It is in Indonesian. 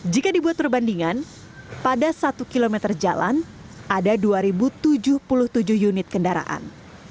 jika dibuat perbandingan pada satu km jalan ada dua tujuh puluh tujuh unit kendaraan